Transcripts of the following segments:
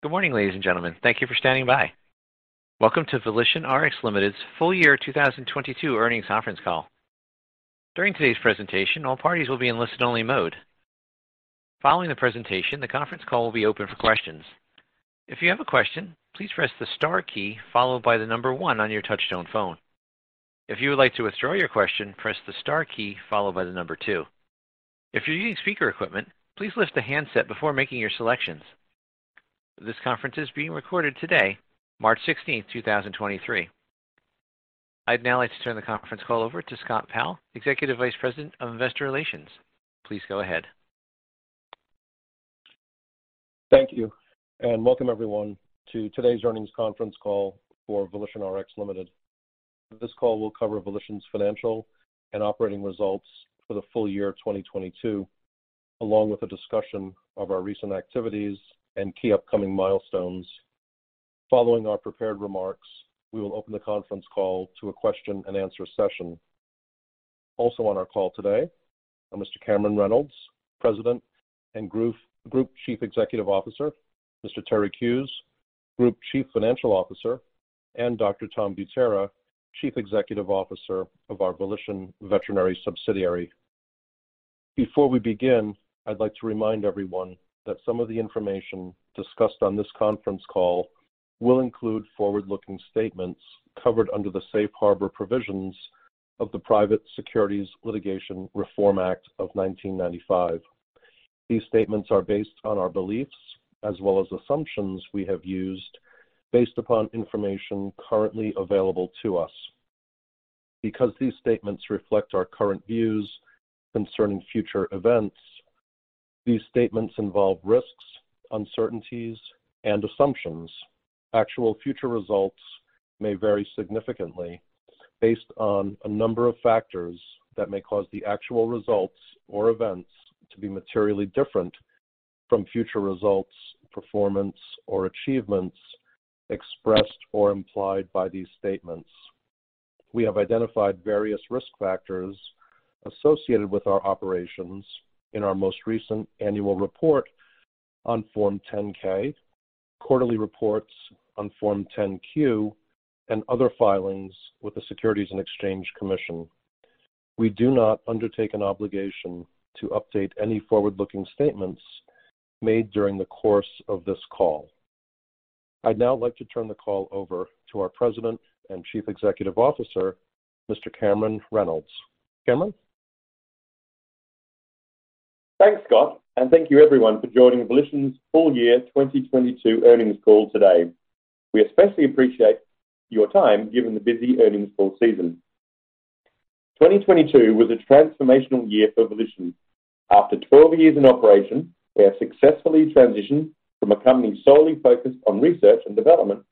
Good morning, ladies and gentlemen. Thank you for standing by. Welcome to VolitionRx Limited's full-year 2022 earnings conference call. During today's presentation, all parties will be in listen only mode. Following the presentation, the conference call will be open for questions. If you have a question, please press the Star key followed by the one on your touchtone phone. If you would like to withdraw your question, press the Star key followed by the two. If you're using speaker equipment, please lift the handset before making your selections. This conference is being recorded today, March 16th, 2023. I'd now like to turn the conference call over to Scott Powell, Executive Vice President of Investor Relations. Please go ahead. Thank you. Welcome everyone to today's earnings conference call for VolitionRx Limited. This call will cover Volition's financial and operating results for the full-year 2022, along with a discussion of our recent activities and key upcoming milestones. Following our prepared remarks, we will open the conference call to a question-and-answer session. Also on our call today are Mr. Cameron Reynolds, President and Group Chief Executive Officer, Mr. Terig Hughes, Group Chief Financial Officer, and Dr. Tom Butera, Chief Executive Officer of our Volition Veterinary Subsidiary. Before we begin, I'd like to remind everyone that some of the information discussed on this conference call will include forward-looking statements covered under the Safe Harbor Provisions of the Private Securities Litigation Reform Act of 1995. These statements are based on our beliefs as well as assumptions we have used based upon information currently available to us. These statements reflect our current views concerning future events, these statements involve risks, uncertainties, and assumptions. Actual future results may vary significantly based on a number of factors that may cause the actual results or events to be materially different from future results, performance or achievements expressed or implied by these statements. We have identified various Risk Factors associated with our operations in our most recent annual report on Form 10-K, quarterly reports on Form 10-Q, and other filings with the Securities and Exchange Commission. We do not undertake an obligation to update any forward-looking statements made during the course of this call. I'd now like to turn the call over to our President and Chief Executive Officer, Mr. Cameron Reynolds. Cameron? Thanks, Scott, thank you everyone for joining Volition's full-year 2022 earnings call today. We especially appreciate your time given the busy earnings call season. 2022 was a transformational year for Volition. After 12 years in operation, we have successfully transitioned from a company solely focused on research and development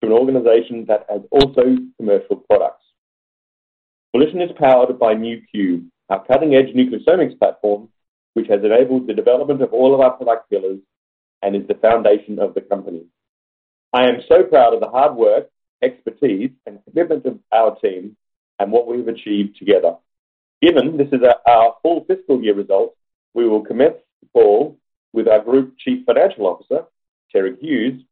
to an organization that has also commercial products. Volition is powered by Nu.Q, our cutting-edge Nucleosomics platform, which has enabled the development of all of our product pillars and is the foundation of the company. I am so proud of the hard work, expertise, and commitment of our team and what we have achieved together. Given this is our full fiscal year results, we will commence the call with our Group Chief Financial Officer, Terig Hughes,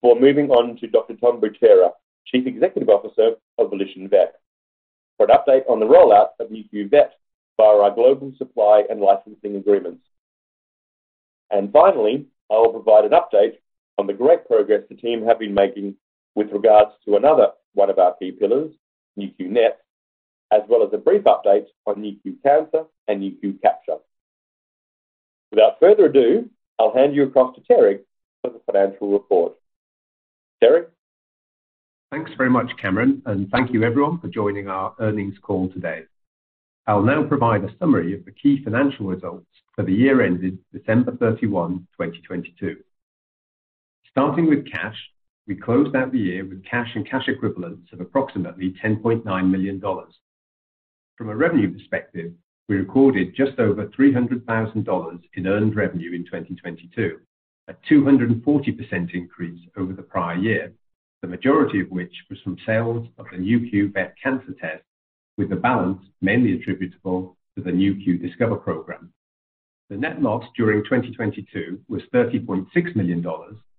before moving on to Dr. Tom Butera, Chief Executive Officer of Volition Vet, for an update on the rollout of Nu.Q Vet via our global supply and licensing agreements. Finally, I will provide an update on the great progress the team have been making with regards to another one of our key pillars, Nu.Q NETs, as well as a brief update on Nu.Q Cancer and Nu.Q Capture. Without further ado, I'll hand you across to Terig for the financial report. Terig?. Thanks very much, Cameron. Thank you everyone for joining our earnings call today. I'll now provide a summary of the key financial results for the year ended December 31, 2022. Starting with cash, we closed out the year with cash and cash equivalents of approximately $10.9 million. From a revenue perspective, we recorded just over $300,000 in earned revenue in 2022, a 240% increase over the prior year, the majority of which was from sales of the Nu.Q Vet Cancer Test, with the balance mainly attributable to the Nu.Q Discover program. The net loss during 2022 was $30.6 million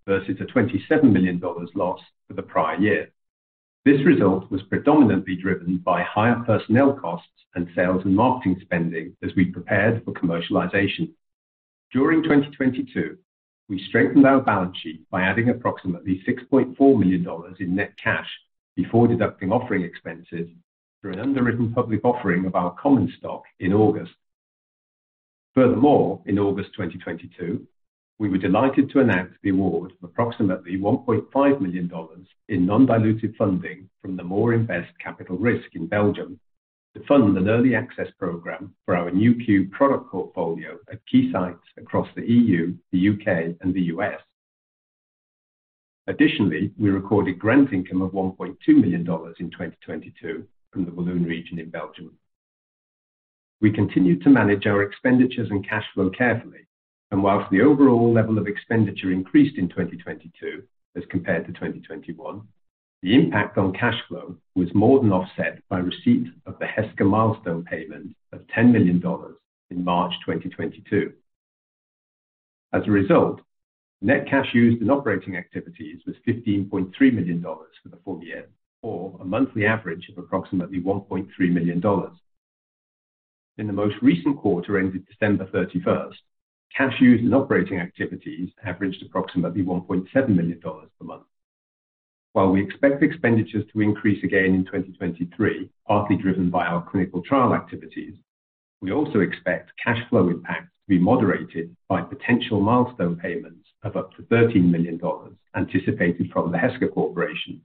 versus a $27 million loss for the prior year. This result was predominantly driven by higher personnel costs and sales and marketing spending as we prepared for commercialization. During 2022, we strengthened our balance sheet by adding approximately $6.4 million in net cash before deducting offering expenses through an underwritten public offering of our common stock in August. Furthermore, in August 2022, we were delighted to announce the award of approximately $1.5 million in non-dilutive funding from the Moor Invest Capital Risk in Belgium to fund an early access program for our Nu.Q product portfolio at key sites across the EU, the U.K., and the U.S. Additionally, we recorded grant income of $1.2 million in 2022 from the Walloon Region in Belgium. We continued to manage our expenditures and cash flow carefully, and whilst the overall level of expenditure increased in 2022 as compared to 2021, the impact on cash flow was more than offset by receipt of the Heska milestone payment of $10 million in March 2022. As a result, net cash used in operating activities was $15.3 million for the full-year, or a monthly average of approximately $1.3 million. In the most recent quarter ended December 31st, cash used in operating activities averaged approximately $1.7 million per month. While we expect expenditures to increase again in 2023, partly driven by our clinical trial activities, we also expect cash flow impacts to be moderated by potential milestone payments of up to $13 million anticipated from the Heska Corporation.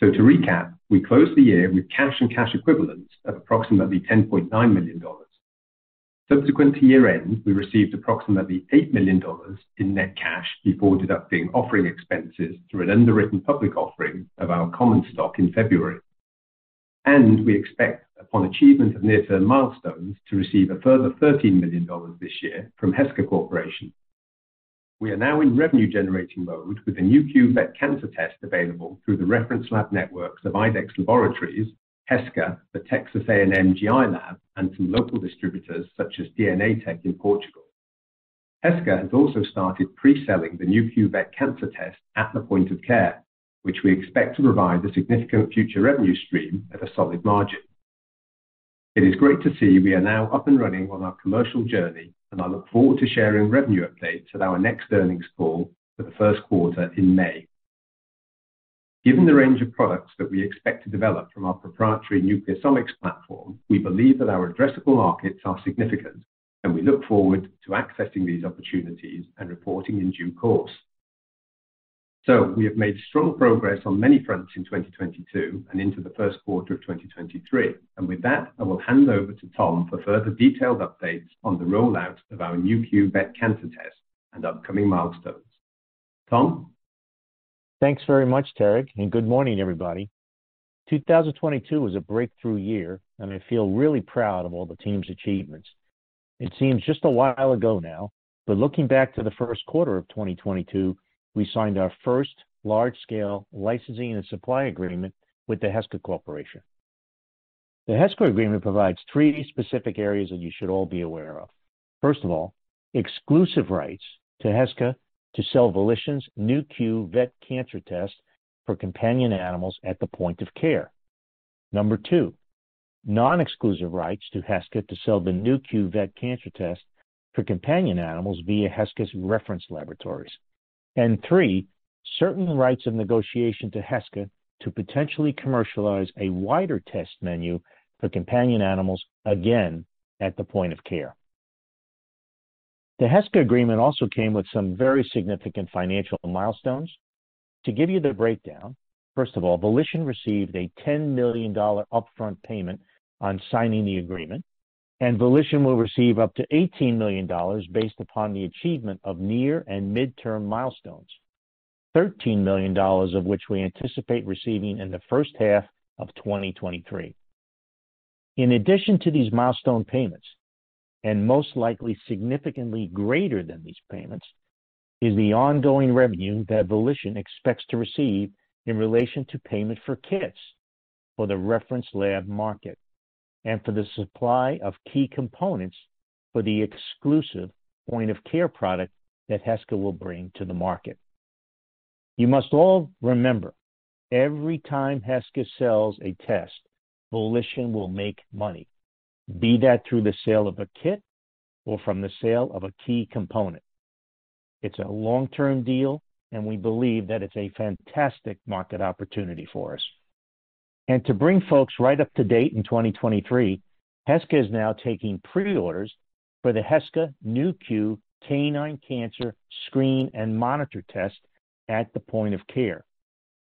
To recap, we closed the year with cash and cash equivalents of approximately $10.9 million. Subsequent to year-end, we received approximately $8 million in net cash before deducting offering expenses through an underwritten public offering of our common stock in February. We expect, upon achievement of near-term milestones, to receive a further $13 million this year from Heska Corporation. We are now in revenue-generating mode with the Nu.Q Vet Cancer Test available through the reference lab networks of IDEXX Laboratories, Heska, the Texas A&M GI Lab, and some local distributors such as DNAtech in Portugal. Heska has also started pre-selling the Nu.Q Vet Cancer Test at the point of care, which we expect to provide a significant future revenue stream at a solid margin. It is great to see we are now up and running on our commercial journey, and I look forward to sharing revenue updates at our next earnings call for the first quarter in May. Given the range of products that we expect to develop from our proprietary Nucleosomics platform, we believe that our addressable markets are significant, and we look forward to accessing these opportunities and reporting in due course. We have made strong progress on many fronts in 2022 and into the first quarter of 2023. With that, I will hand over to Tom for further detailed updates on the rollout of our Nu.Q Vet Cancer Test and upcoming milestones. Tom? Thanks very much, Terig. Good morning, everybody. 2022 was a breakthrough year, and I feel really proud of all the team's achievements. It seems just a while ago now. Looking back to the 1st quarter of 2022, we signed our first large-scale licensing and supply agreement with the Heska Corporation. The Heska agreement provides three specific areas that you should all be aware of. First of all, exclusive rights to Heska to sell Volition's Nu.Q Vet Cancer Test for companion animals at the point of care. Number 2, non-exclusive rights to Heska to sell the Nu.Q Vet cancer test for companion animals via Heska's reference laboratories. Three, certain rights of negotiation to Heska to potentially commercialize a wider test menu for companion animals, again, at the point of care. The Heska agreement also came with some very significant financial milestones. To give you the breakdown, first of all, Volition received a $10 million upfront payment on signing the agreement, and Volition will receive up to $18 million based upon the achievement of near and mid-term milestones, $13 million of which we anticipate receiving in the first half of 2023. In addition to these milestone payments, and most likely significantly greater than these payments, is the ongoing revenue that Volition expects to receive in relation to payment for kits for the reference lab market and for the supply of key components for the exclusive point-of-care product that Heska will bring to the market. You must all remember, every time Heska sells a test, Volition will make money, be that through the sale of a kit or from the sale of a key component. It's a long-term deal, and we believe that it's a fantastic market opportunity for us. To bring folks right up to date in 2023, Heska is now taking pre-orders for the Heska Nu.Q Canine Cancer Screen and Monitor Test at the point of care,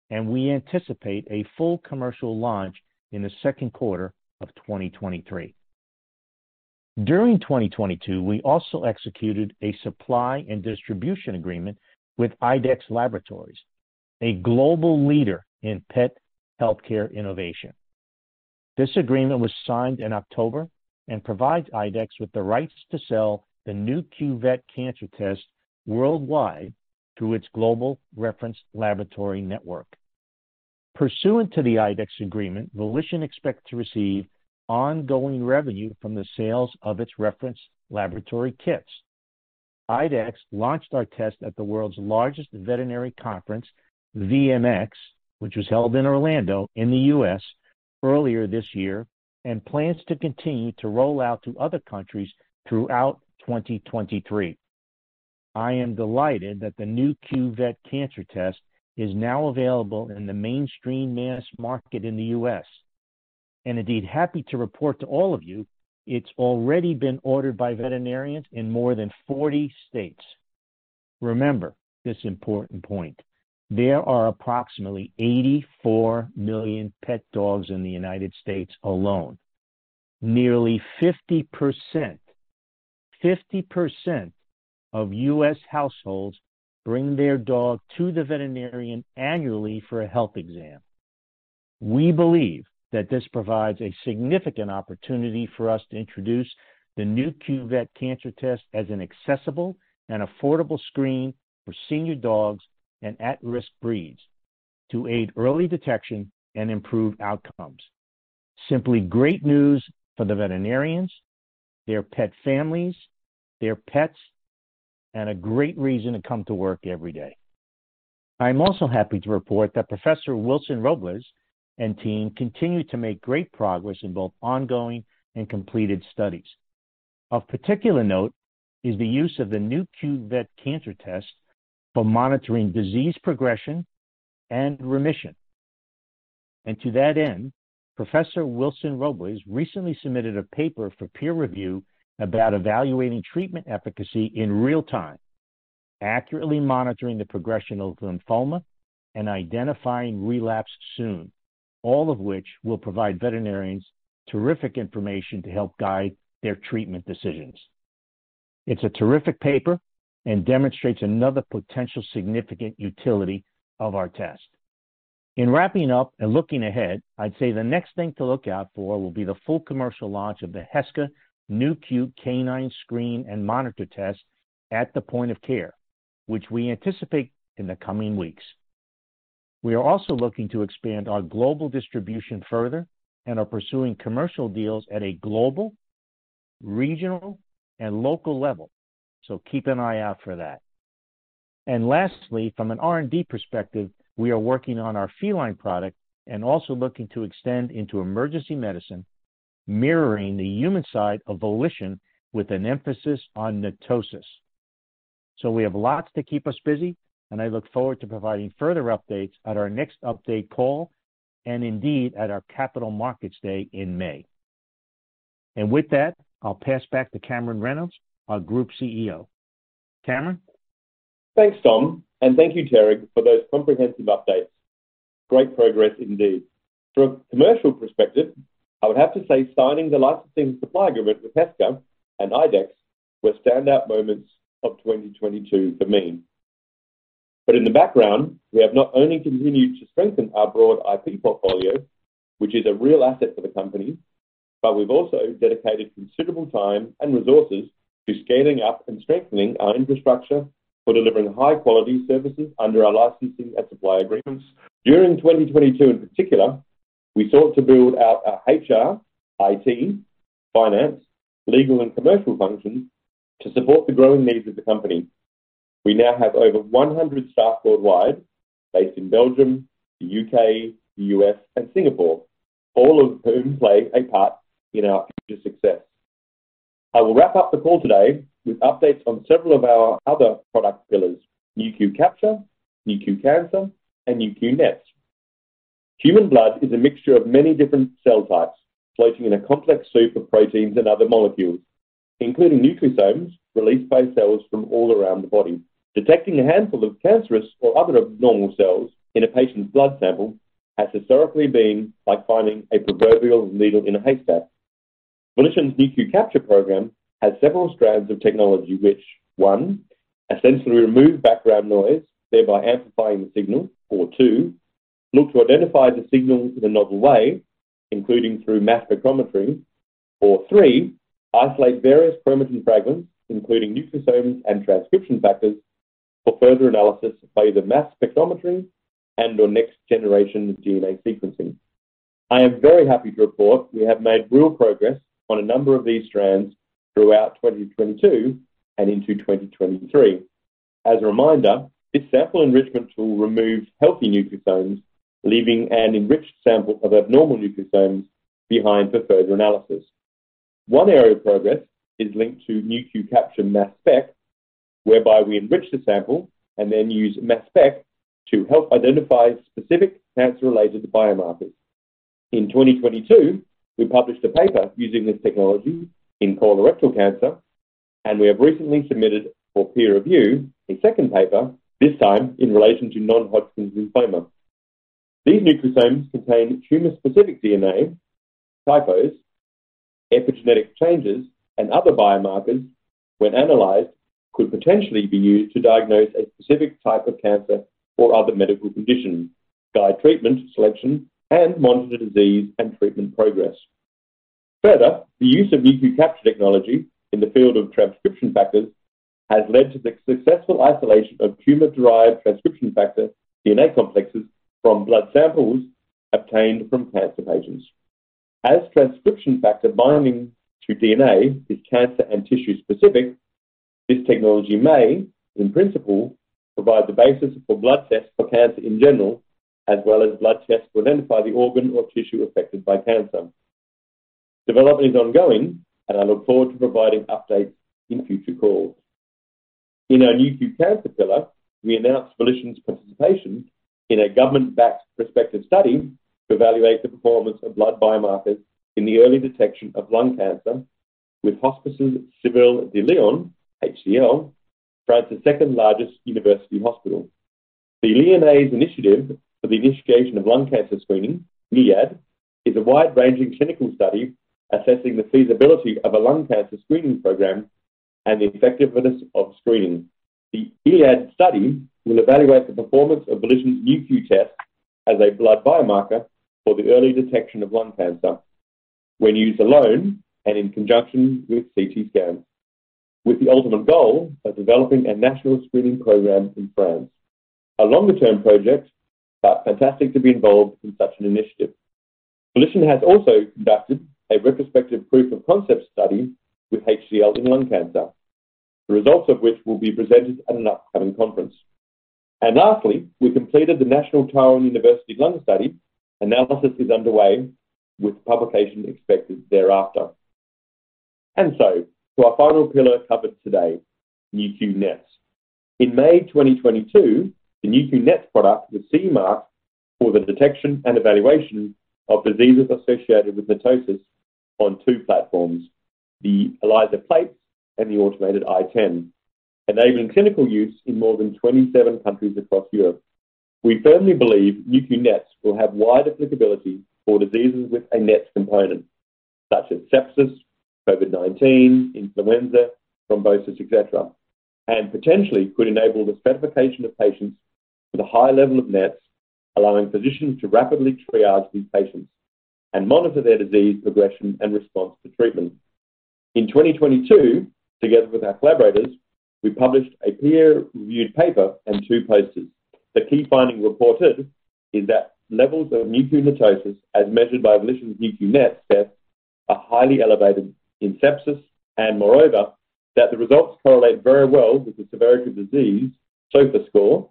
and we anticipate a full commercial launch in the second quarter of 2023. During 2022, we also executed a supply and distribution agreement with IDEXX Laboratories, a global leader in pet healthcare innovation. This agreement was signed in October and provides IDEXX with the rights to sell the Nu.Q Vet cancer test worldwide through its global reference laboratory network. Pursuant to the IDEXX agreement, Volition expects to receive ongoing revenue from the sales of its reference laboratory kits. IDEXX launched our test at the world's largest veterinary conference, VMX, which was held in Orlando in the U.S. earlier this year, plans to continue to roll out to other countries throughout 2023. I am delighted that the Nu.Q Vet Cancer Test is now available in the mainstream mass market in the U.S., indeed happy to report to all of you it's already been ordered by veterinarians in more than 40 states. Remember this important point. There are approximately 84 million pet dogs in the United States alone. Nearly 50%, 50% of U.S. households bring their dog to the veterinarian annually for a health exam. We believe that this provides a significant opportunity for us to introduce the Nu.Q Vet Cancer Test as an accessible and affordable screen for senior dogs and at-risk breeds to aid early detection and improve outcomes. Simply great news for the veterinarians, their pet families, their pets, and a great reason to come to work every day. I'm also happy to report that Professor Wilson-Robles and team continue to make great progress in both ongoing and completed studies. Of particular note is the use of the Nu.Q Vet Cancer Test for monitoring disease progression and remission. To that end, Professor Wilson-Robles recently submitted a paper for peer review about evaluating treatment efficacy in real time, accurately monitoring the progression of lymphoma, and identifying relapse soon, all of which will provide veterinarians terrific information to help guide their treatment decisions. It's a terrific paper and demonstrates another potential significant utility of our test. In wrapping up and looking ahead, I'd say the next thing to look out for will be the full commercial launch of the Heska Nu.Q Canine Screen and Monitor Test at the point of care, which we anticipate in the coming weeks. We are also looking to expand our Global Distribution further and are pursuing commercial deals at a global, regional, and local level. Keep an eye out for that. Lastly, from an R&D perspective, we are working on our feline product and also looking to extend into emergency medicine, mirroring the human side of Volition with an emphasis on NETosis. We have lots to keep us busy, and I look forward to providing further updates at our next update call, and indeed, at our Capital Markets Day in May. With that, I'll pass back to Cameron Reynolds, our Group CEO. Cameron? Thanks, Tom, and thank you, Terig, for those comprehensive updates. Great progress indeed. From a commercial perspective, I would have to say signing the licensing supply agreement with Heska and IDEXX were standout moments of 2022 for me. In the background, we have not only continued to strengthen our broad IP portfolio, which is a real asset for the company, but we've also dedicated considerable time and resources to scaling up and strengthening our infrastructure for delivering high-quality services under our licensing and supply agreements. During 2022 in particular, we sought to build out our HR, IT, finance, legal, and commercial functions to support the growing needs of the company. We now have over 100 staff worldwide based in Belgium, the U.K., the U.S., and Singapore, all of whom play a part in our future success. I will wrap up the call today with updates on several of our other product pillars, Nu.Q Capture, Nu.Q Cancer, and Nu.Q NETs. Human blood is a mixture of many different cell types floating in a complex soup of proteins and other molecules, including nucleosomes released by cells from all around the body. Detecting a handful of cancerous or other abnormal cells in a patient's blood sample has historically been like finding a proverbial needle in a haystack. Volition's Nu.Q Capture program has several strands of technology which, one, essentially remove background noise, thereby amplifying the signal. Two, look to identify the signal in a novel way, including through mass spectrometry. Three, isolate various chromatin fragments, including nucleosomes and transcription factors, for further analysis by either mass spectrometry and/or next-generation DNA sequencing. I am very happy to report we have made real progress on a number of these strands throughout 2022 and into 2023. As a reminder, this sample enrichment tool removes healthy nucleosomes, leaving an enriched sample of abnormal nucleosomes behind for further analysis. One area of progress is linked to Nu.Q Capture mass spec, whereby we enrich the sample and then use mass spec to help identify specific cancer-related biomarkers. In 2022, we published a paper using this technology in colorectal cancer. We have recently submitted for peer review a second paper, this time in relation to non-Hodgkin's lymphoma. These nucleosomes contain tumor-specific DNA, typos, epigenetic changes, and other biomarkers when analyzed could potentially be used to diagnose a specific type of cancer or other medical conditions, guide treatment selection, and monitor disease and treatment progress. Further, the use of Nu.Q Capture technology in the field of transcription factors has led to the successful isolation of tumor-derived transcription factor DNA complexes from blood samples obtained from cancer patients. As transcription factor binding to DNA is cancer and tissue specific, this technology may, in principle, provide the basis for blood tests for cancer in general, as well as blood tests to identify the organ or tissue affected by cancer. Development is ongoing, and I look forward to providing updates in future calls. In our Nu.Q Cancer pillar, we announced Volition's participation in a government-backed prospective study to evaluate the performance of blood biomarkers in the early detection of lung cancer with Hospices Civils de Lyon, HCL, France's second-largest university hospital. The Lyonnaise Initiative for the Initiation of Lung Cancer Screening, ILYAD, is a wide-ranging clinical study assessing the feasibility of a Lung Cancer Screening program. The effectiveness of screening. The ILYAD study will evaluate the performance of Volition's Nu.Q test as a blood biomarker for the early detection of lung cancer when used alone and in conjunction with CT scans, with the ultimate goal of developing a national screening program in France. A longer-term project, but fantastic to be involved in such an initiative. Volition has also conducted a retrospective proof of concept study with HCL in lung cancer, the results of which will be presented at an upcoming conference. Lastly, we completed the National Taiwan University lung study. Analysis is underway with publication expected thereafter. To our final pillar covered today, Nu.Q NETs. In May 2022, the Nu.Q NETs product was CE-marked for the detection and evaluation of diseases associated with NETosis on two platforms, the ELISA plates and the automated i10, enabling clinical use in more than 27 countries across Europe. We firmly believe Nu.Q NETs will have wide applicability for diseases with a NET component such as sepsis, COVID-19, influenza, thrombosis, et cetera, and potentially could enable the stratification of patients with a high level of NETs, allowing physicians to rapidly triage these patients and monitor their disease progression and response to treatment. In 2022, together with our collaborators, we published a peer-reviewed paper and two posters. The key finding reported is that levels of Nu.Q NETosis, as measured by Volition's Nu.Q NETs test, are highly elevated in sepsis, and moreover, that the results correlate very well with the severity of disease, SOFA score,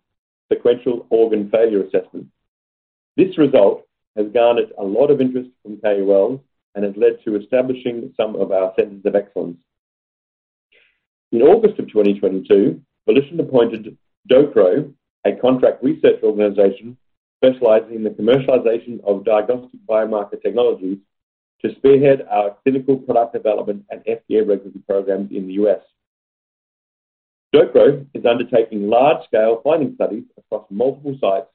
Sequential Organ Failure Assessment. This result has garnered a lot of interest from KOLs and has led to establishing some of our centers of excellence. In August of 2022, Volition appointed Dapro, a contract research organization specializing in the commercialization of diagnostic biomarker technologies, to spearhead our clinical product development and FDA regulatory programs in the U.S. Dapro is undertaking large-scale finding studies across multiple sites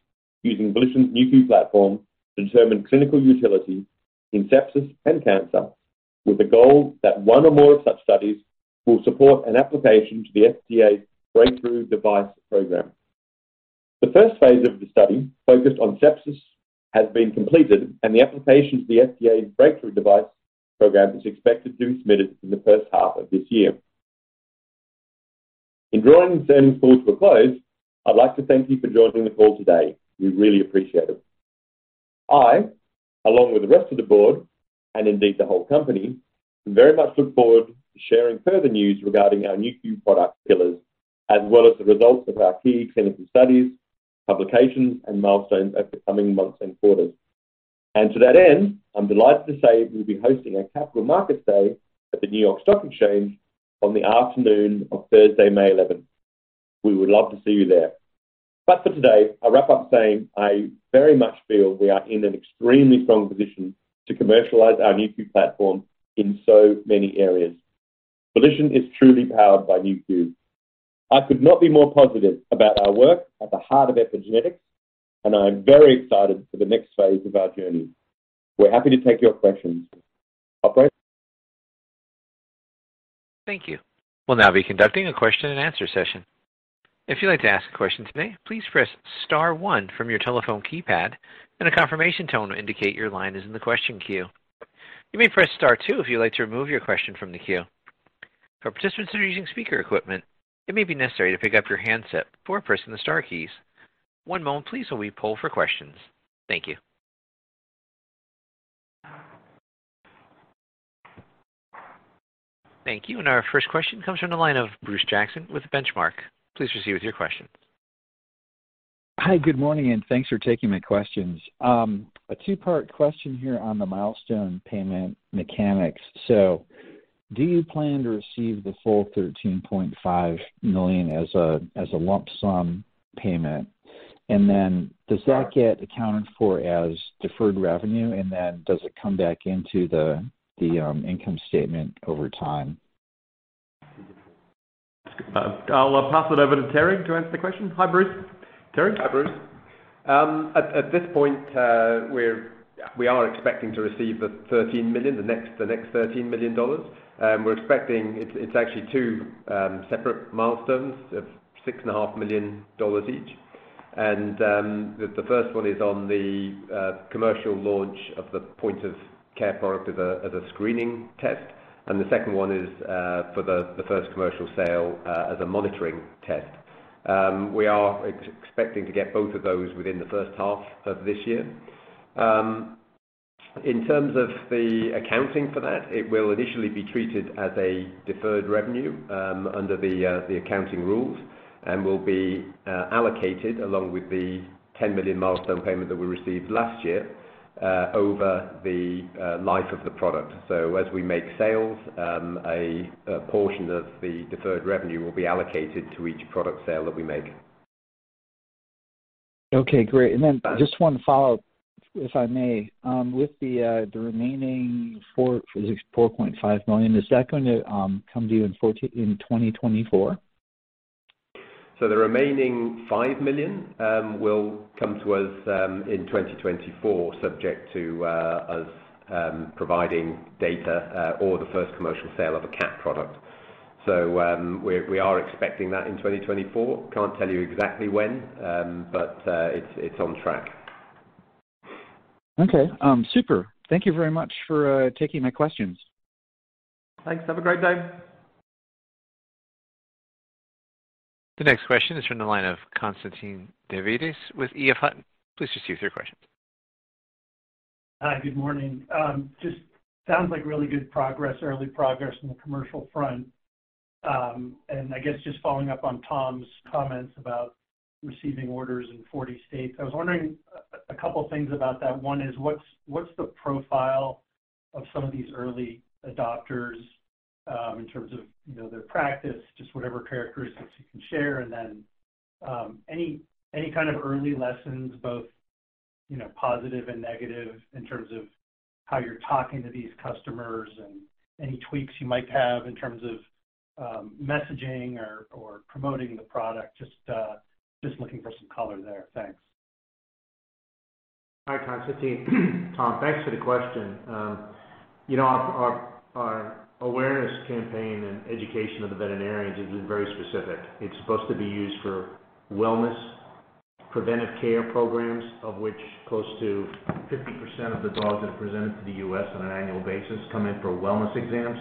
using Volition's Nu.Q platform to determine clinical utility in sepsis and cancer, with the goal that one or more of such studies will support an application to the FDA's Breakthrough Devices Program. The first phase of the study, focused on sepsis, has been completed, and the application to the FDA's Breakthrough Devices Program is expected to be submitted in the first half of this year. In drawing this earnings call to a close, I'd like to thank you for joining the call today. We really appreciate it. I, along with the rest of the Board, and indeed the whole company, very much look forward to sharing further news regarding our Nu.Q product pillars, as well as the results of our key clinical studies, publications, and milestones over the coming months and quarters. To that end, I'm delighted to say we'll be hosting our Capital Markets Day at the New York Stock Exchange on the afternoon of Thursday, May 11. We would love to see you there. For today, I'll wrap up saying I very much feel we are in an extremely strong position to commercialize our Nu.Q platform in so many areas. Volition is truly powered by Nu.Q. I could not be more positive about our work at the heart of epigenetics, and I'm very excited for the next phase of our journey. We're happy to take your questions. Operator? Thank you. We'll now be conducting a question-and-answer session. If you'd like to ask a question today, please press Star one from your telephone keypad, and a confirmation tone will indicate your line is in the question queue. You may press Star two if you'd like to remove your question from the queue. For participants that are using speaker equipment, it may be necessary to pick up your handset before pressing the star keys. One moment please while we poll for questions. Thank you. Thank you. Our first question comes from the line of Bruce Jackson with Benchmark. Please proceed with your question. Hi, good morning. Thanks for taking my questions. A two-part question here on the milestone payment mechanics. Do you plan to receive the full $13.5 million as a lump sum payment? Does that get accounted for as deferred revenue? Does it come back into the income statement over time? I'll pass it over to Terig to answer the question. Hi, Bruce. Terig? Hi, Bruce. At this point, we are expecting to receive the $13 million, the next $13 million. We're expecting it's actually two separate milestones of six and a half million dollars each. The first one is on the commercial launch of the point of care product as a screening test, and the second one is for the first commercial sale as a monitoring test. We are expecting to get both of those within the first half of this year. In terms of the accounting for that, it will initially be treated as a deferred revenue under the accounting rules and will be allocated along with the $10 million milestone payment that we received last year over the life of the product. As we make sales, a portion of the deferred revenue will be allocated to each product sale that we make. Okay, great. Then just one follow-up, if I may. With the remaining $4.5 million, is that going to come to you in 2024? The remaining $5 million will come to us in 2024 subject to us providing data or the first commercial sale of a cat product. We are expecting that in 2024. Can't tell you exactly when, but it's on track. Super. Thank you very much for taking my questions. Thanks. Have a great day. The next question is from the line of Constantine Davidis with EF Hutton. Please proceed with your question. Hi, good morning. Just sounds like really good progress, early progress on the commercial front. I guess just following up on Tom's comments about receiving orders in 40 states, I was wondering a couple things about that. One is what's the profile of some of these early adopters, in terms of, you know, their practice, just whatever characteristics you can share. Then any kind of early lessons, both, you know, positive and negative in terms of how you're talking to these customers and any tweaks you might have in terms of messaging or promoting the product. Just looking for some color there. Thanks. Hi, Constantine. Tom, thanks for the question. you know, our awareness campaign and education of the veterinarians has been very specific. It's supposed to be used for wellness preventive care programs, of which close to 50% of the dogs that are presented to the U.S. on an annual basis come in for wellness exams.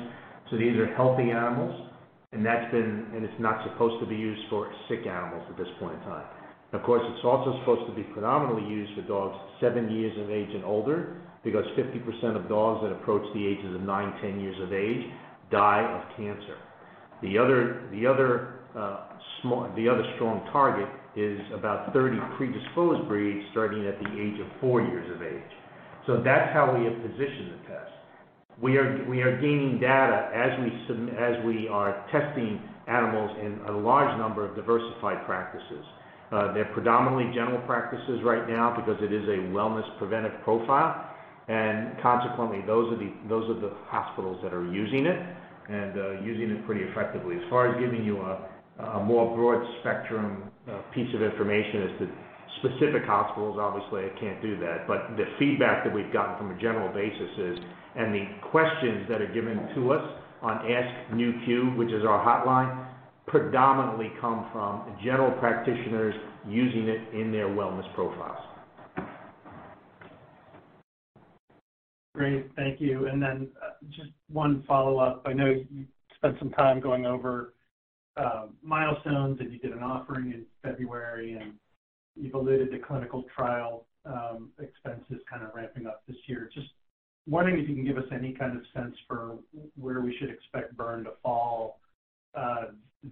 These are healthy animals, and it's not supposed to be used for sick animals at this point in time. Of course, it's also supposed to be predominantly used for dogs seven years of age and older because 50% of dogs that approach the ages of 9, 10 years of age die of cancer. The other strong target is about 30 predisposed breeds starting at the age of 4 years of age. That's how we have positioned the test. We are gaining data as we are testing animals in a large number of diversified practices. They're predominantly general practices right now because it is a wellness preventive profile. Consequently, those are the hospitals that are using it and using it pretty effectively. As far as giving you a more broad-spectrum piece of information as to specific hospitals, obviously I can't do that. The feedback that we've gotten from a general basis is, and the questions that are given to us on Ask Nu.Q, which is our hotline, predominantly come from general practitioners using it in their wellness profiles. Great. Thank you. Just one follow-up. I know you spent some time going over milestones, and you did an offering in February, and you've alluded to clinical trial expenses kind of ramping up this year. Just wondering if you can give us any kind of sense for where we should expect burn to fall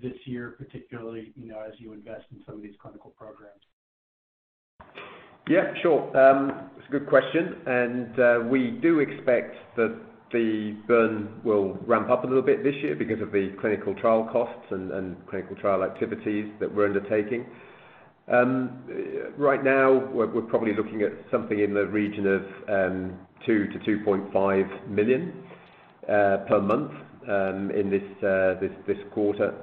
this year, particularly, you know, as you invest in some of these clinical programs? Yeah, sure. It's a good question. We do expect that the burn will ramp up a little bit this year because of the clinical trial costs and clinical trial activities that we're undertaking. Right now we're probably looking at something in the region of $2 million-$2.5 million per month in this this quarter.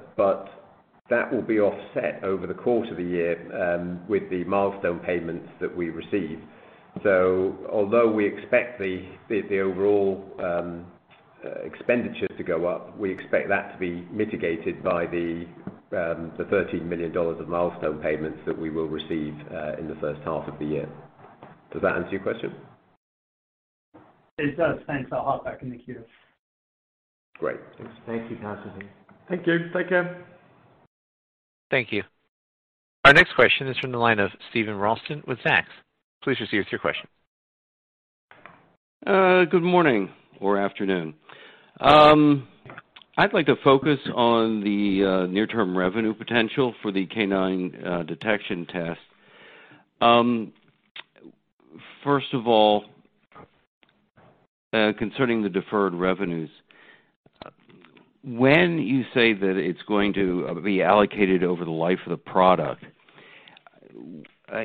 That will be offset over the course of the year with the milestone payments that we receive. Although we expect the overall expenditure to go up, we expect that to be mitigated by the $13 million of milestone payments that we will receive in the first half of the year. Does that answer your question? It does. Thanks. I'll hop back in the queue. Great. Thanks. Thank you, Constantine. Thank you. Take care. Thank you. Our next question is from the line of Steven Ralston with Zacks. Please proceed with your question. Good morning or afternoon. I'd like to focus on the near-term revenue potential for the Canine Detection Test. First of all, concerning the deferred revenues, when you say that it's going to be allocated over the life of the product,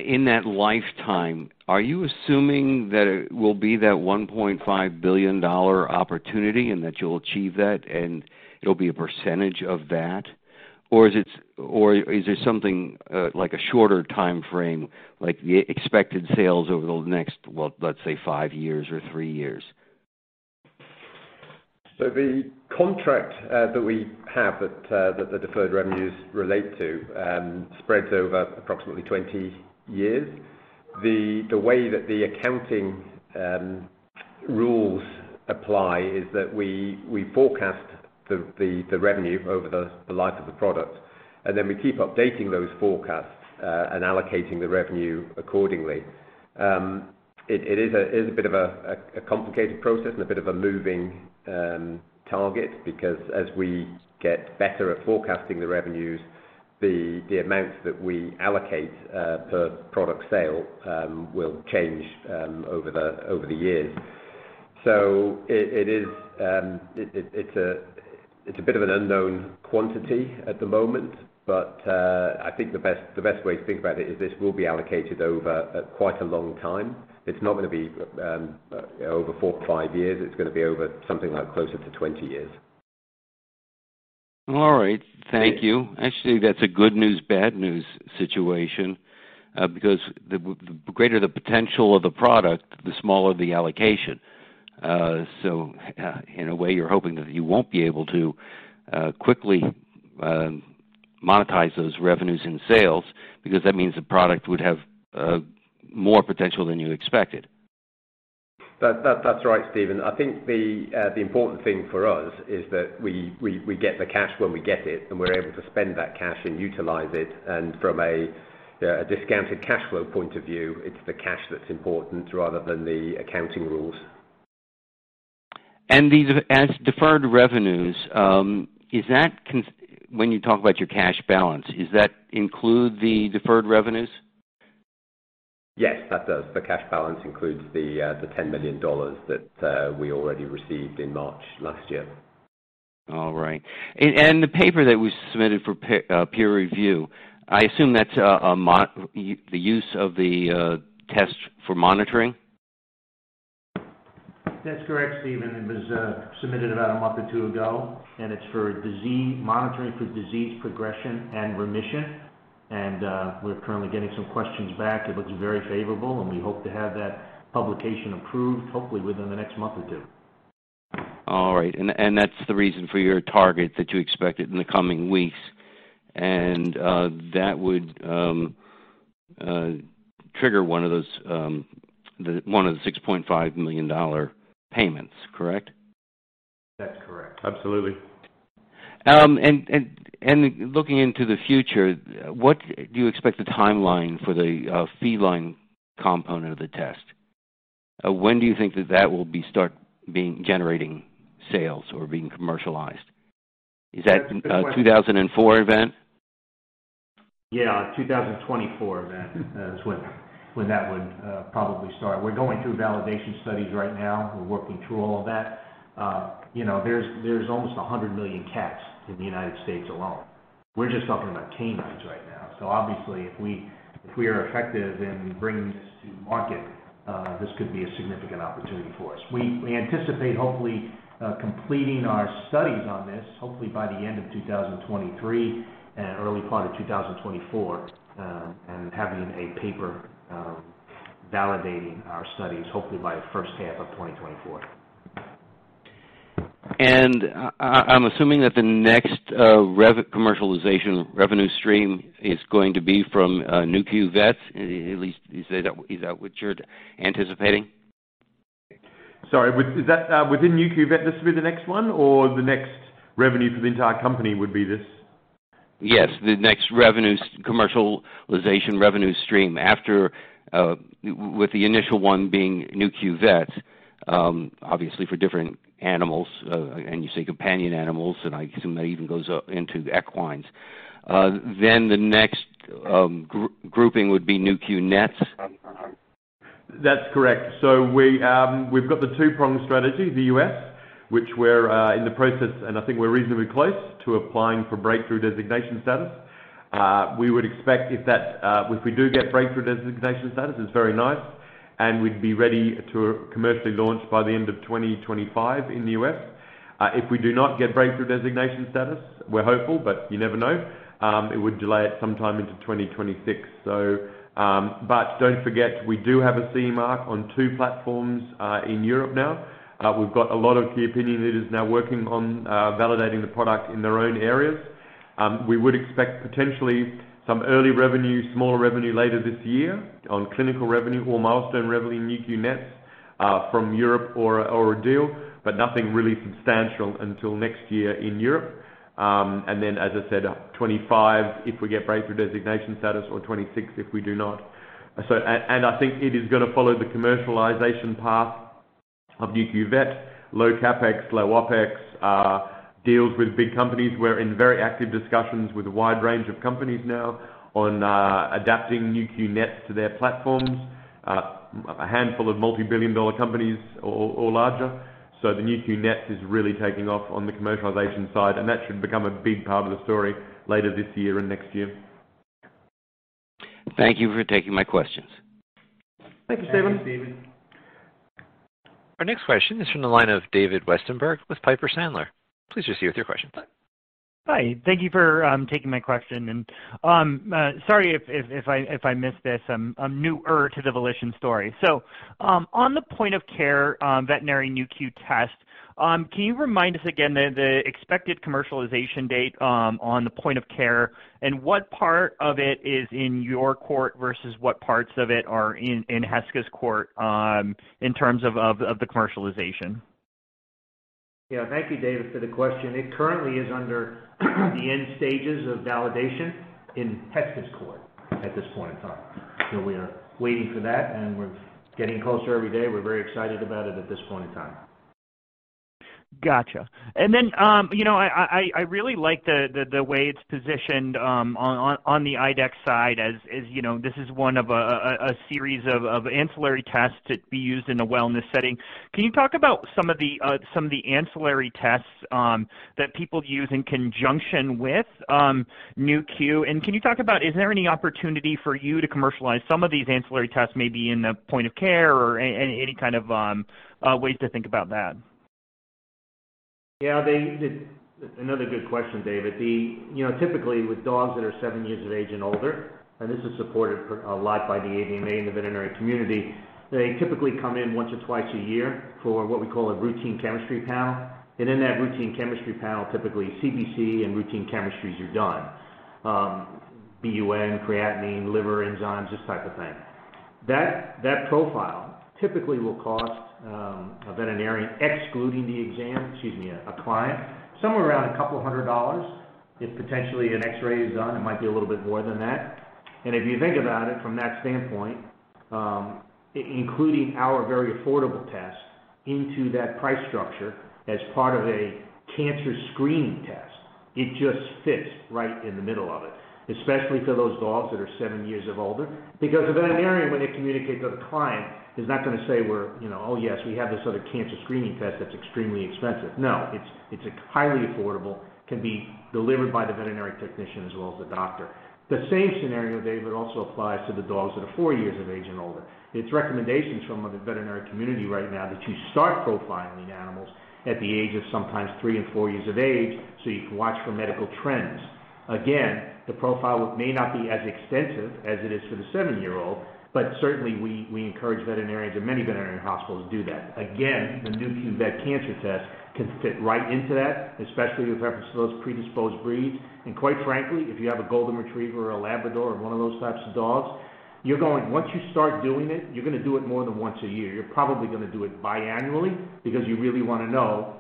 in that lifetime, are you assuming that it will be that $1.5 billion opportunity and that you'll achieve that and it'll be a percentage of that? Or is there something like a shorter timeframe, like the expected sales over the next, well, let's say 5 years or 3 years? The contract that the deferred revenues relate to spreads over approximately 20 years. The way that the accounting rules apply is that we forecast the revenue over the life of the product, and then we keep updating those forecasts and allocating the revenue accordingly. It is a bit of a complicated process and a bit of a moving target because as we get better at forecasting the revenues, the amounts that we allocate per product sale will change over the years. It is a bit of an unknown quantity at the moment, I think the best way to think about it is this will be allocated over, quite a long time. It's not gonna be, you know, over 4, 5 years. It's gonna be over something like closer to 20 years. Thank you. Actually, that's a good news, bad news situation, because the greater the potential of the product, the smaller the allocation. In a way, you're hoping that you won't be able to quickly monetize those revenues in sales because that means the product would have more potential than you expected. That's right, Steven. I think the important thing for us is that we get the cash when we get it, and we're able to spend that cash and utilize it. From a discounted cash flow point of view, it's the cash that's important rather than the accounting rules. These as deferred revenues, is that when you talk about your cash balance, is that include the deferred revenues? Yes, that does. The cash balance includes the $10 million that we already received in March last year. All right. The paper that was submitted for peer review, I assume that's the use of the test for Monitoring. That's correct, Steven. It was submitted about a month or two ago, and it's for Monitoring for disease progression and remission. We're currently getting some questions back. It looks very favorable, and we hope to have that publication approved, hopefully within the next month or two. All right. That's the reason for your target that you expect it in the coming weeks. That would trigger one of those the one of the $6.5 million payments, correct? That's correct. Absolutely. Looking into the future, what do you expect the timeline for the feline component of the test? When do you think that will be start being generating sales or being commercialized? Is that a 2004 event? Yeah. 2024 event is when that would probably start. We're going through validation studies right now. We're working through all of that. You know, there's almost 100 million cats in the United States alone. We're just talking about canines right now. Obviously, if we are effective in bringing this to market, this could be a significant opportunity for us. We anticipate hopefully completing our studies on this, hopefully by the end of 2023 and early part of 2024, and having a paper validating our studies, hopefully by first half of 2024. I'm assuming that the next commercialization revenue stream is going to be from Nu.Q Vet. At least, is that what you're anticipating? Sorry, is that within Nu.Q Vet, this will be the next one, or the next revenue for the entire company would be this? Yes. The next commercialization revenue stream after with the initial one being Nu.Q Vet, obviously for different animals. You say companion animals, and I assume that even goes up into equines. The next grouping would be Nu.Q NETs. That's correct. We've got the two-pronged strategy, the U.S., which we're in the process, and I think we're reasonably close to applying for breakthrough designation status. We would expect if that if we do get breakthrough designation status, it's very nice, and we'd be ready to commercially launch by the end of 2025 in the U.S. If we do not get breakthrough designation status, we're hopeful, but you never know, it would delay it sometime into 2026. But don't forget, we do have a CE mark on two platforms in Europe now. We've got a lot of key opinion leaders now working on validating the product in their own areas. We would expect potentially some early revenue, smaller revenue later this year on clinical revenue or milestone revenue Nu.Q NETs from Europe or a deal. Nothing really substantial until next year in Europe. As I said, 2025, if we get breakthrough designation status or 2026 if we do not. I think it is gonna follow the commercialization path of Nu.Q Vet, low CapEx, low OpEx, deals with big companies. We're in very active discussions with a wide range of companies now on adapting Nu.Q NETs to their platforms. A handful of multi-billion-dollar companies or larger. The Nu.Q NETs is really taking off on the commercialization side, and that should become a big part of the story later this year and next year. Thank you for taking my questions. Thank you, Steven. Thank you, Steven. Our next question is from the line of David Westenberg with Piper Sandler. Please receive with your question. Hi. Thank you for taking my question. Sorry if I missed this. I'm newer to the Volition story. On the point of care, Veterinary Nu.Q Test, can you remind us again, the expected commercialization date on the point of care and what part of it is in your court versus what parts of it are in Heska's court in terms of the commercialization? Yeah. Thank you, David, for the question. It currently is under the end stages of validation in Heska's court at this point in time. We are waiting for that, and we're getting closer every day. We're very excited about it at this point in time. Gotcha. Then, you know, I really like the way it's positioned on the IDEXX side as you know, this is one of a series of ancillary tests to be used in a wellness setting. Can you talk about some of the ancillary tests that people use in conjunction with Nu.Q? Can you talk about, is there any opportunity for you to commercialize some of these ancillary tests, maybe in the point of care or any kind of ways to think about that? Yeah. Another good question, David. Typically with dogs that are seven years of age and older, this is supported a lot by the AVMA and the veterinary community, they typically come in once or twice a year for what we call a routine chemistry panel. In that routine chemistry panel, typically CBC and routine chemistries are done. BUN, creatinine, liver enzymes, this type of thing. That profile typically will cost a veterinarian, excluding the exam, excuse me, a client, somewhere around $200. If potentially an X-ray is done, it might be a little bit more than that. If you think about it from that standpoint, including our very affordable test into that price structure as part of a Cancer Screening Test, it just fits right in the middle of it. Especially for those dogs that are seven years of older. A veterinarian, when they communicate with a client, is not gonna say, We're, you know, oh, yes, we have this other Cancer Screening Test that's extremely expensive. It's a highly affordable, can be delivered by the veterinary technician as well as the doctor. The same scenario, David, also applies to the dogs that are four years of age and older. It's recommendations from the veterinary community right now that you start profiling animals at the age of sometimes three and four years of age, so you can watch for medical trends. The profile may not be as extensive as it is for the 7sevenyear-old, but certainly we encourage veterinarians and many veterinary hospitals to do that. The Nu.Q Vet Cancer Test can fit right into that, especially with reference to those predisposed breeds. Quite frankly, if you have a golden retriever or a Labrador or one of those types of dogs, Once you start doing it, you're gonna do it more than once a year. You're probably gonna do it biannually because you really wanna know,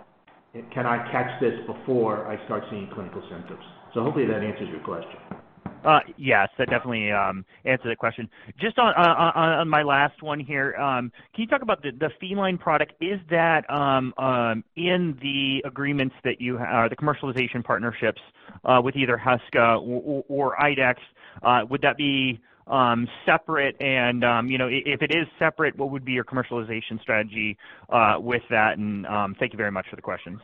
can I catch this before I start seeing clinical symptoms? Hopefully that answers your question. Yes, that definitely answered the question. Just on my last one here, can you talk about the feline product? Is that in the agreements that you or the commercialization partnerships with either Heska or IDEXX? Would that be separate and, you know, if it is separate, what would be your commercialization strategy with that? Thank you very much for the questions.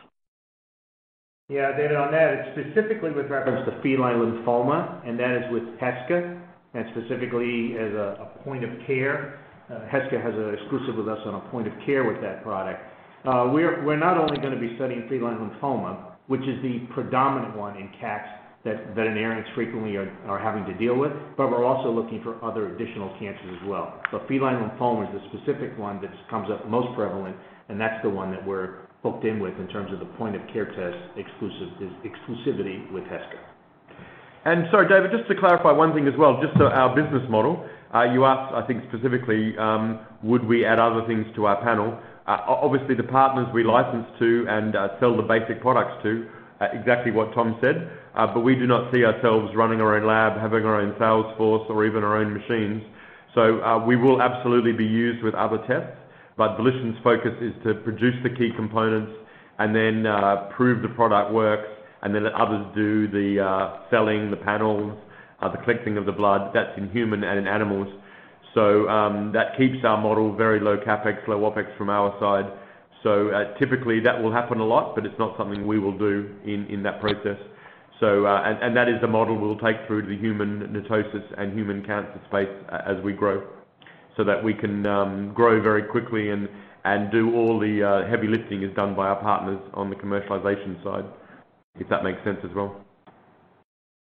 Yeah, David, on that, it's specifically with reference to feline lymphoma, and that is with Heska, and specifically as a point of care. Heska has an exclusive with us on a point of care with that product. We're not only gonna be studying feline lymphoma, which is the predominant one in cats that veterinarians frequently are having to deal with, but we're also looking for other additional cancers as well. Feline lymphoma is the specific one that comes up most prevalent, and that's the one that we're hooked in with in terms of the point of care test exclusivity with Heska. Sorry, David, just to clarify one thing as well, just so our business model. You asked, I think specifically, would we add other things to our panel? Obviously the partners we licensed to and sell the basic products to, exactly what Tom said. But we do not see ourselves running our own lab, having our own sales force or even our own machines. We will absolutely be used with other tests, but Volition's focus is to produce the key components and then prove the product works and then let others do the selling the panels, the collecting of the blood. That's in human and in animals. That keeps our model very low CapEx, low OpEx from our side. Typically that will happen a lot, but it's not something we will do in that process. And that is the model we'll take through to the human NETosis and human cancer space as we grow, so that we can grow very quickly and do all the heavy lifting is done by our partners on the commercialization side. If that makes sense as well.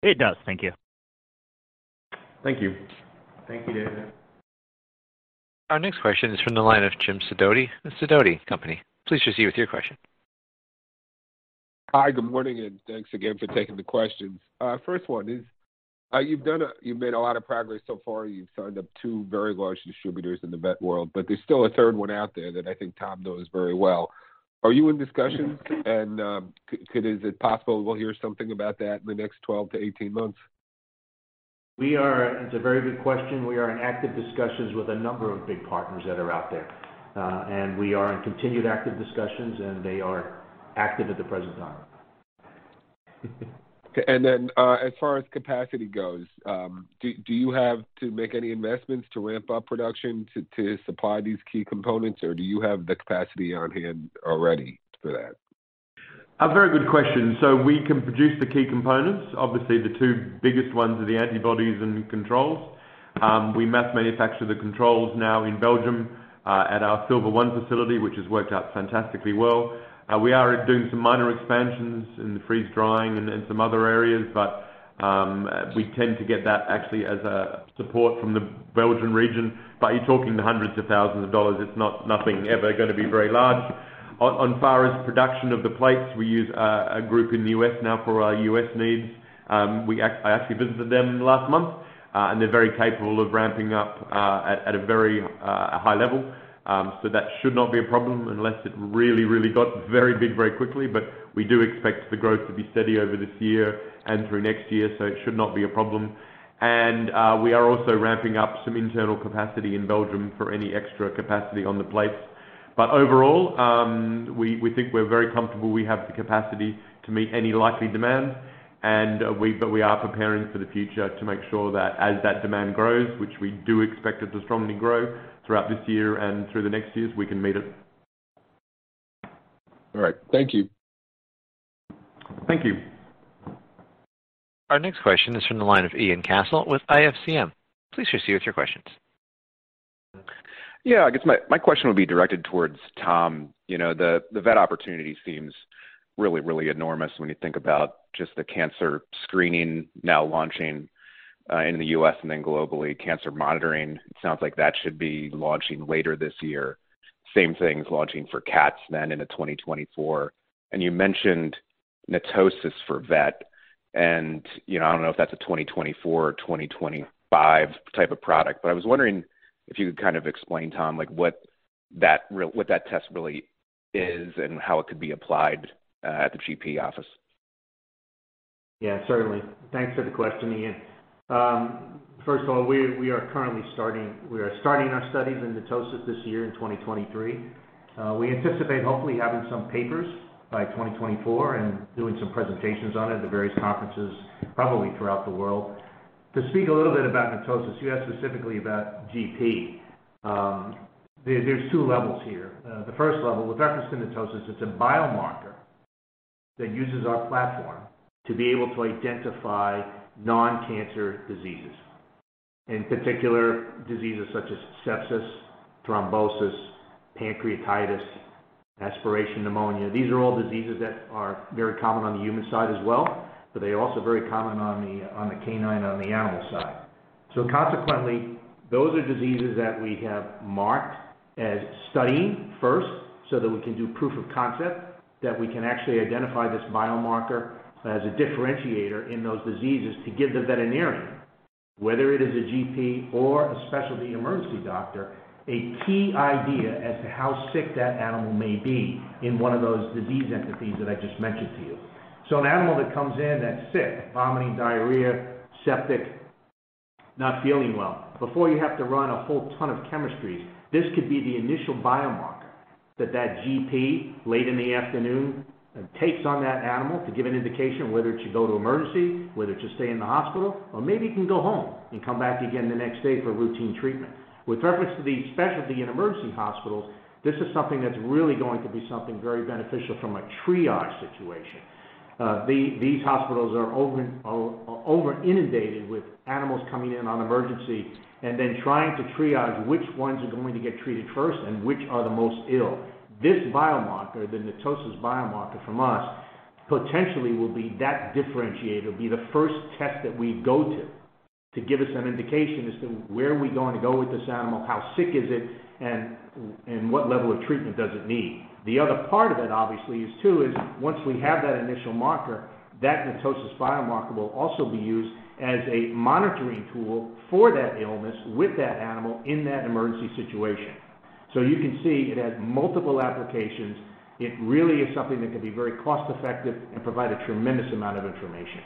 It does. Thank you. Thank you. Thank you, David. Our next question is from the line of Jim Sidoti of Sidoti & Company. Please proceed with your question. Hi, good morning, and thanks again for taking the questions. First one is, you've made a lot of progress so far. You've signed up two very large distributors in the vet world, but there's still a third one out there that I think Tom knows very well. Are you in discussions? Is it possible we'll hear something about that in the next 12-18 months? It's a very good question. We are in active discussions with a number of big partners that are out there. We are in continued active discussions, and they are active at the present time. Okay. As far as capacity goes, do you have to make any investments to ramp up production to supply these key components, or do you have the capacity on hand already for that? A very good question. We can produce the key components. Obviously, the two biggest ones are the antibodies and controls. We mass manufacture the controls now in Belgium at our Silver One facility, which has worked out fantastically well. We are doing some minor expansions in the freeze drying and in some other areas, we tend to get that actually as a support from the Belgian region. You're talking the hundreds of thousands of dollars. It's not nothing. Never gonna be very large. As far as production of the plates, we use a group in the U.S. now for our U.S. needs. I actually visited them last month, they're very capable of ramping up at a very high level. That should not be a problem unless it really, really got very big very quickly. We do expect the growth to be steady over this year and through next year, so it should not be a problem. We are also ramping up some internal capacity in Belgium for any extra capacity on the plates. Overall, we think we're very comfortable we have the capacity to meet any likely demand. We are preparing for the future to make sure that as that demand grows, which we do expect it to strongly grow throughout this year and through the next years, we can meet it. All right. Thank you. Thank you. Our next question is from the line of Ian Cassel with IFCM. Please proceed with your questions. Yeah, I guess my question would be directed towards Tom. You know, the vet opportunity seems really, really enormous when you think about just the cancer screening now launching in the U.S. and then globally. Cancer monitoring, it sounds like that should be launching later this year. Same things launching for cats then into 2024. You mentioned NETosis for vet and, you know, I don't know if that's a 2024 or 2025 type of product, but I was wondering if you could kind of explain, Tom, like what that test really is and how it could be applied at the GP office. Certainly. Thanks for the question, Ian. First of all, we are starting our studies in NETosis this year in 2023. We anticipate hopefully having some papers by 2024 and doing some presentations on it at the various conferences, probably throughout the world. To speak a little bit about NETosis, you asked specifically about GP. There's two levels here. The first level with reference to NETosis, it's a biomarker that uses our platform to be able to identify non-cancer diseases. In particular, diseases such as sepsis, thrombosis, pancreatitis, aspiration pneumonia. These are all diseases that are very common on the human side as well, they are also very common on the canine, on the animal side. Consequently, those are diseases that we have marked as studying first so that we can do proof of concept, that we can actually identify this biomarker as a differentiator in those diseases to give the veterinarian, whether it is a GP or a specialty emergency doctor, a key idea as to how sick that animal may be in one of those disease entities that I just mentioned to you. An animal that comes in that's sick, vomiting, diarrhea, septic, not feeling well. Before you have to run a whole ton of chemistries, this could be the initial biomarker that that GP late in the afternoon takes on that animal to give an indication of whether it should go to emergency, whether it should stay in the hospital, or maybe it can go home and come back again the next day for routine treatment. With reference to the specialty and emergency hospitals, this is something that's really going to be something very beneficial from a triage situation. These hospitals are over inundated with animals coming in on emergency and then trying to triage which ones are going to get treated first and which are the most ill. This biomarker, the NETosis biomarker from us, potentially will be that differentiator, be the first test that we go to to give us an indication as to where are we going to go with this animal, how sick is it, and what level of treatment does it need. The other part of it, obviously, is too, is once we have that initial marker, that NETosis biomarker will also be used as a monitoring tool for that illness with that animal in that emergency situation. You can see it has multiple applications. It really is something that could be very cost-effective and provide a tremendous amount of information.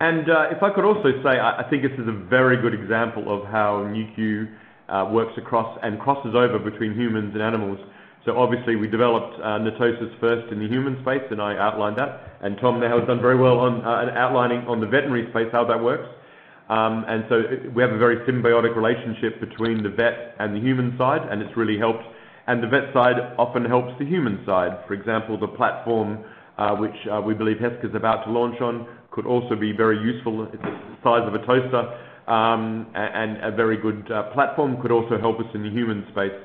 If I could also say, I think this is a very good example of how Nu.Q works across and crosses over between humans and animals. Obviously, we developed NETosis first in the human space, and I outlined that, and Tom now has done very well on outlining on the veterinary space how that works. We have a very symbiotic relationship between the vet and the human side, and it's really helped. The vet side often helps the human side. For example, the platform, which we believe Heska is about to launch on, could also be very useful. It's the size of a toaster, and a very good platform, could also help us in the human space.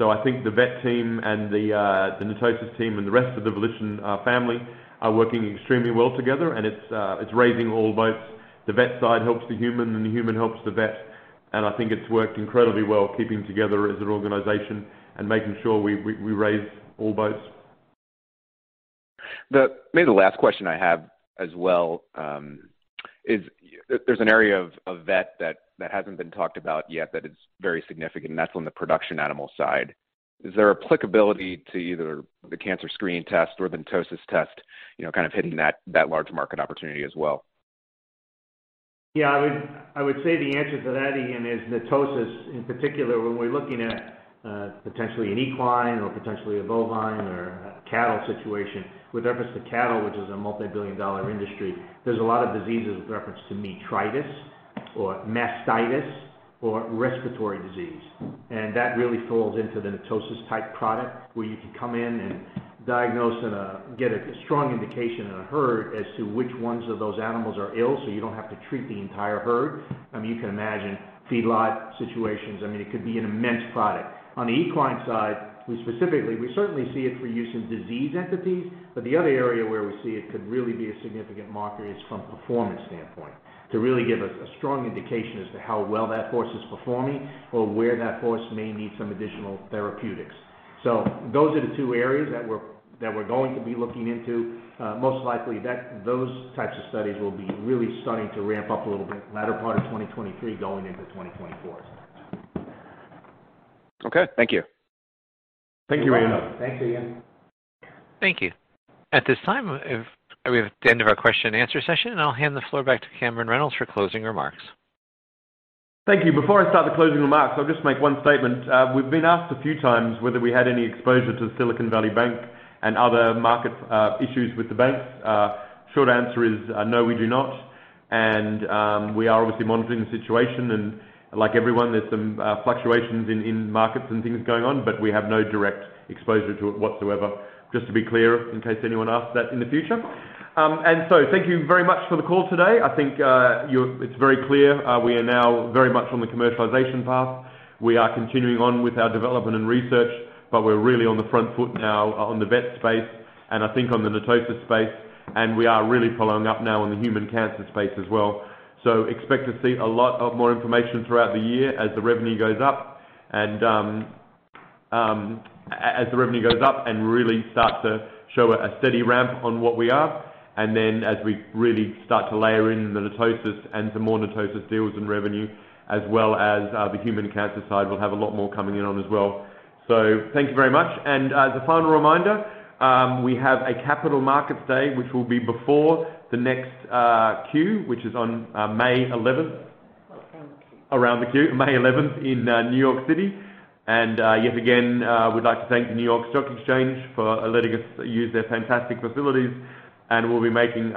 I think the vet team and the NETosis team and the rest of the Volition family are working extremely well together, and it's raising all boats. The vet side helps the human, and the human helps the vet, I think it's worked incredibly well keeping together as an organization and making sure we raise all boats. Maybe the last question I have as well, is there's an area of vet that hasn't been talked about yet that is very significant, and that's on the production animal side. Is there applicability to either the Cancer Screening Test or the NETosis test, you know, kind of hitting that large market opportunity as well? Yeah. I would say the answer to that, Ian, is NETosis, in particular, when we're looking at potentially an equine or potentially a bovine or a cattle situation. With reference to cattle, which is a multi-billion-dollar industry, there's a lot of diseases with reference to metritis or mastitis or respiratory disease. That really falls into the NETosis type product, where you can come in and diagnose and get a strong indication in a herd as to which ones of those animals are ill, so you don't have to treat the entire herd. I mean, you can imagine feedlot situations. I mean, it could be an immense product. On the equine side, we specifically certainly see it for use in disease entities, but the other area where we see it could really be a significant marker is from performance standpoint, to really give us a strong indication as to how well that horse is performing or where that horse may need some additional therapeutics. Those are the two areas that we're going to be looking into. Most likely, those types of studies will be really starting to ramp up a little bit latter part of 2023, going into 2024. Okay. Thank you. Thank you, Ian. You're welcome. Thanks, Ian. Thank you. At this time, We're at the end of our question-andanswer session, and I'll hand the floor back to Cameron Reynolds for closing remarks. Thank you. Before I start the closing remarks, I'll just make one statement. We've been asked a few times whether we had any exposure to Silicon Valley Bank and other market issues with the banks. Short answer is, no, we do not. We are obviously monitoring the situation, and like everyone, there's some fluctuations in markets and things going on, but we have no direct exposure to it whatsoever, just to be clear, in case anyone asks that in the future. Thank you very much for the call today. I think it's very clear, we are now very much on the commercialization path. We are continuing on with our development and research. We're really on the front foot now on the vet space and I think on the NETosis space, and we are really following up now on the human cancer space as well. Expect to see a lot of more information throughout the year as the revenue goes up and as the revenue goes up and really start to show a steady ramp on what we are. As we really start to layer in the NETosis and some more NETosis deals and revenue, as well as the human cancer side, we'll have a lot more coming in on as well. Thank you very much. As a final reminder, we have a Capital Markets Day, which will be before the next Q, which is on May 11th. Around the Q. May 11th in New York City. Yet again, we'd like to thank the New York Stock Exchange for letting us use their fantastic facilities. We'll be making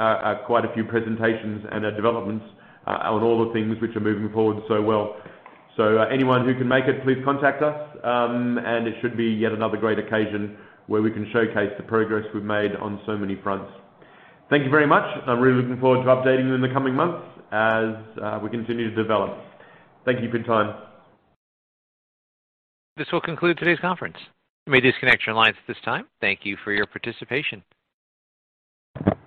quite a few presentations and developments on all the things which are moving forward so well. Anyone who can make it, please contact us. It should be yet another great occasion where we can showcase the progress we've made on so many fronts. Thank you very much. I'm really looking forward to updating you in the coming months as we continue to develop. Thank you for your time. This will conclude today's conference. You may disconnect your lines at this time. Thank you for your participation.